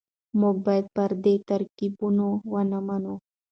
موږ بايد پردي ترکيبونه ونه منو.